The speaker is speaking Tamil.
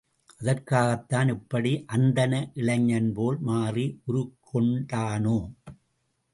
அதற்காகத்தான் இப்படி அந்தண இளைஞன்போல் மாறி உருக்கொண்டானோ?